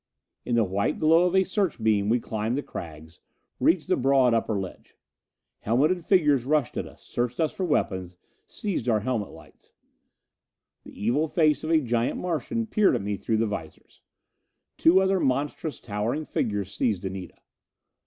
In the white glow of a search beam we climbed the crags, reached the broad upper ledge. Helmeted figures rushed at us, searched us for weapons, seized our helmet lights. The evil face of a giant Martian peered at me through the visors. Two other monstrous, towering figures seized Anita.